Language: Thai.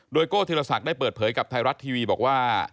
โดยโก้ธีรศักดิ์ได้เปิดเผยกับไทยรัฐทีวีบอกว่า